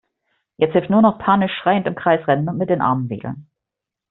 Jetzt hilft nur noch panisch schreiend im Kreis rennen und mit den Armen wedeln.